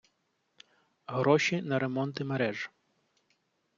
Гроші на ремонти мереж